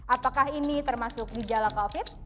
apakah ini termasuk gejala covid